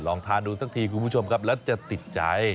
ลองทานดูสักทีคุณผู้ชมครับแล้วจะติดใจ